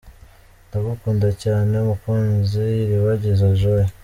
Ndagukunda cyane mukunzi , Iribagiza Joy.